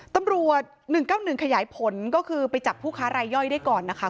ตำรวจ๑๙๑ขยายผลก็คือไปจับผู้ค้ารายย่อยได้ก่อนนะคะ